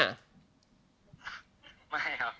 ไม่ครับ